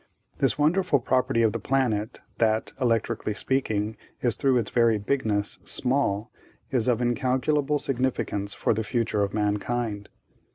This wonderful property of the planet, that, electrically speaking, is through its very bigness, small, is of incalculable significance for the future of mankind.